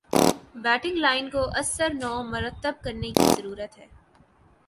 batting line کو ازسر نو مرتب کرنے کی ضرورت ہے